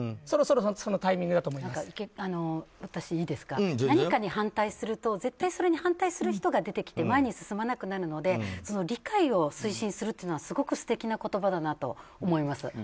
そろそろそのタイミングだと何かに反対すると絶対それに反対する人が出てきて前に進まなくなるので理解を推進するというのはすごく素敵な言葉だなと思います。